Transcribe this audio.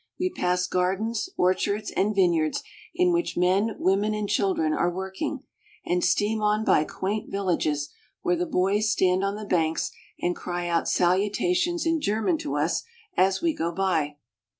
We pass gardens, orchards, and vineyards in which men, women, and children are working, and steam on by quaint villages where the boys stand on the banks and cry out salutations in German to us as we go by.